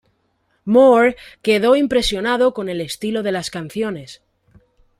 Moore quedó impresionado con el estilo de las canciones.